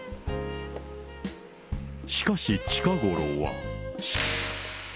しかし近頃は。